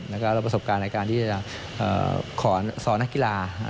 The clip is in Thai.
แล้วก็ประสบการณ์ในการที่จะขอสอนนักกีฬา